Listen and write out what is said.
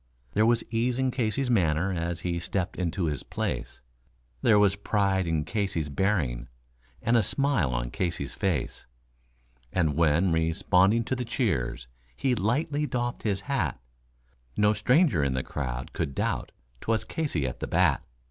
There was ease in Casey's manner as he stepped into his place, There was pride in Casey's bearing, and a smile on Casey's face; And when, responding to the cheers, he lightly doffed his hat, No stranger in the crowd could doubt 'twas Casey at the bat.